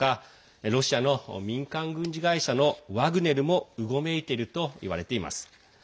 ロシアの民間軍事会社のワグネルもうごめいているといわれています。